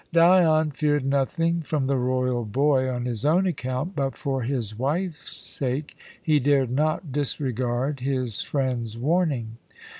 Dion feared nothing from the royal boy on his own account, but for his wife's sake he dared not disregard his friend's warning.